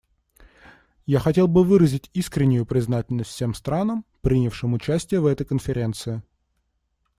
Я хотел бы выразить искреннюю признательность всем странам, принявшим участие в этой конференции.